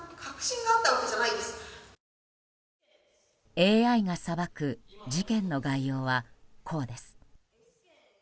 ＡＩが裁く事件の概要はこうです。